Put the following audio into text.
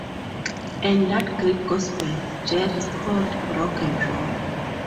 And that great gospel jest called rock 'n' roll.